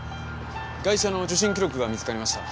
ガイシャの受診記録が見つかりました。